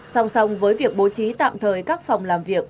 song song với việc bố trí tạm thời các phòng làm việc